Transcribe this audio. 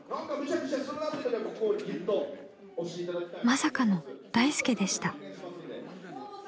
［まさかの大助でした］